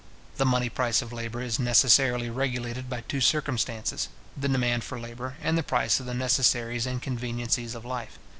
The money price of labour is necessarily regulated by two circumstances; the demand for labour, and the price of the necessaries and conveniencies of life.